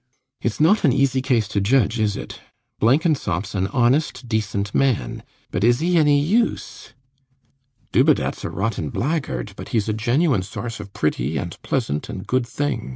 RIDGEON. Its not an easy case to judge, is it? Blenkinsop's an honest decent man; but is he any use? Dubedat's a rotten blackguard; but he's a genuine source of pretty and pleasant and good things.